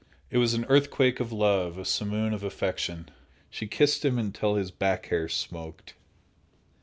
It was an earthquake of love, a simoon of affection. She kissed him until his back hair smoked.